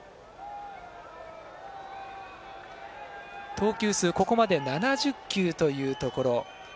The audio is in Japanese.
投球数ここまで７０球というところ。